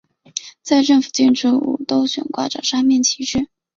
在政府建筑物都悬挂三面旗帜。